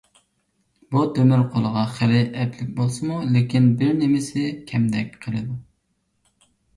بۇ تۆمۈر قولغا خېلى ئەپلىك بولسىمۇ، لېكىن بىرنېمىسى كەمدەك قىلىدۇ.